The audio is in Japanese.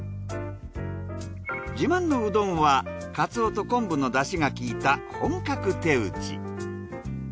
自慢のうどんはかつおと昆布のだしがきいた本格手打ち。